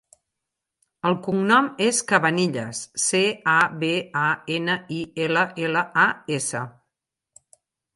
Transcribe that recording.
El cognom és Cabanillas: ce, a, be, a, ena, i, ela, ela, a, essa.